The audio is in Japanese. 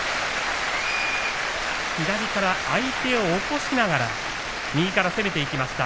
左から相手を起こしながら右から攻めていきました